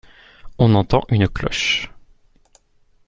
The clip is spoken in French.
On entend une cloche.